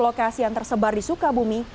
lokasi yang tersebar di sukabumi